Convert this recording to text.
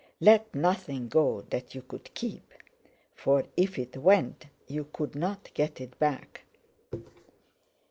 Let nothing go that you could keep; for, if it went, you couldn't get it back.